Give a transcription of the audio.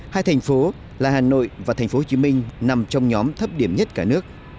hai thành phố là hà nội và thành phố hồ chí minh nằm trong nhóm thấp điểm nhất cả nước